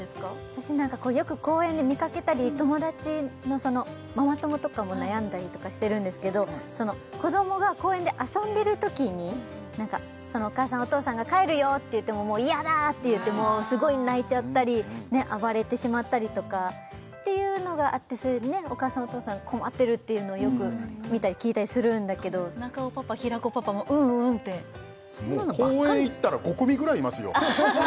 私よく公園で見かけたり友達のママ友とかも悩んだりとかしてるんですけど子どもが公園で遊んでるときにお母さんお父さんが「帰るよ」って言ってももう「嫌だ！」って言ってもうすごい泣いちゃったり暴れてしまったりとかっていうのがあってお母さんお父さんが困ってるっていうのをよく見たり聞いたりするんだけど中尾パパ平子パパも「うんうん」ってそんなのばっかり公園行ったら５組ぐらいいますよ